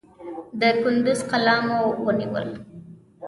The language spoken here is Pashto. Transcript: د کندوز قلا مو ونیول.